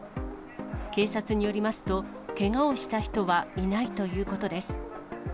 警察によりますと、けがをした人はいないということです。